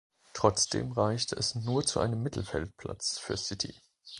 Trotzdem reichte es nur zu einem Mittelfeldplatz für City.